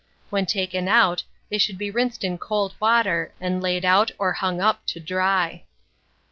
When taken out, they should be rinsed in cold water, and laid out or hung up to dry.